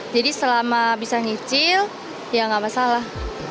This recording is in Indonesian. jadi selama bisa nyicil ya nggak masalah